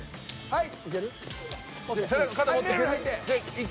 はい。